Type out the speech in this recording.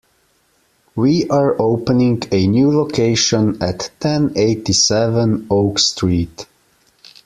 We are opening a new location at ten eighty-seven Oak Street.